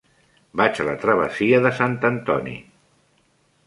Vaig a la travessia de Sant Antoni.